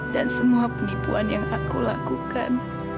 dan semua penipuan yang aku lakukan